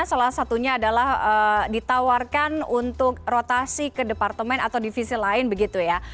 salah satunya adalah ditawarkan untuk rotasi ke departemen atau divisi lain begitu ya